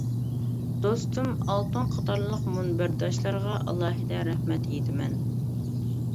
دوستۇم، ئالتۇن قاتارلىق مۇنبەرداشلارغا ئالاھىدە رەھمەت ئېيتىمەن.